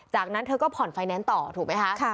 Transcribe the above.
จากนั้นเธอก็ผ่อนไฟแนนซ์ต่อถูกไหมคะ